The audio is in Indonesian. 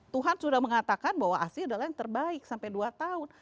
tuhan sudah mengatakan bahwa asi adalah yang terbaik sampai dua tahun